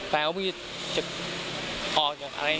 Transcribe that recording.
แฟนเขาก็มีจะออกแบบอะไรอย่างนี้